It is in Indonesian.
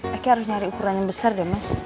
oke harus nyari ukuran yang besar deh mas